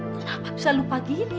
kenapa bisa lupa begini